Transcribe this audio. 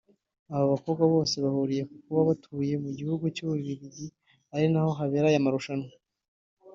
Aba bakobwa bose bahuriye ku kuba batuye mu gihugu cy’ububiligi ari naho habera aya marushanwa